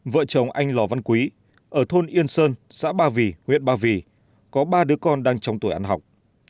vợ chồng anh lò văn quý ở thôn yên sơn xã ba vì huyện ba vì có ba đứa con đang trong tuổi ăn học